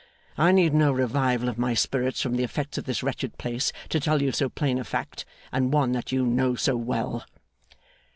I need no revival of my spirits from the effects of this wretched place to tell you so plain a fact, and one that you know so well.